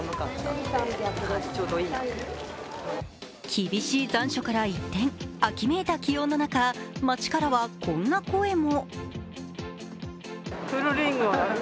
厳しい残暑から一転、秋めいた気温の中、街からはこんな声も。